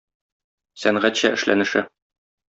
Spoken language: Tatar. Сәнгатьчә эшләнеше.